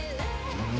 うん？